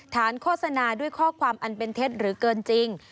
โฆษณาด้วยข้อความอันเป็นเท็จหรือเกินจริง